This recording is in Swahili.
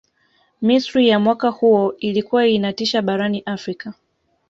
misri ya mwaka huo ilikuwa inatisha barani afrika